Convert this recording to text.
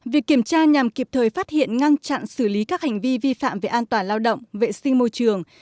việc kiểm tra nhằm kịp thời phát hiện ngăn chặn xử lý các hành vi vi phạm về an toàn lao động vệ sinh môi trường